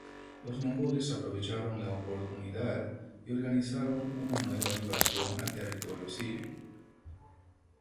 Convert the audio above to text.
Los mongoles aprovecharon la oportunidad y organizaron una nueva invasión a territorio sirio.